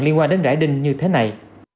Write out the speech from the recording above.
liên quan đến rãi đinh như thế này